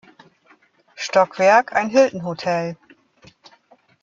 Stockwerk ein Hilton Hotel.